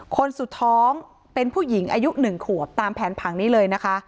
คนสุดท้องเป็นผู้หญิงอายุ๑ขวบตามแผนผังนี้เลยนะคะ